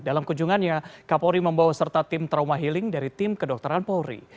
dalam kunjungannya kapolri membawa serta tim trauma healing dari tim kedokteran polri